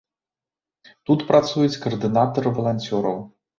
Тут працуюць каардынатары валанцёраў.